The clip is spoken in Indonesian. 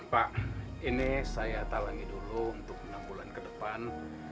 pak ini saya talangi dulu untuk enam bulan kedepan